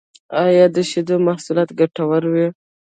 ایا د شیدو محصولات ګټور وی؟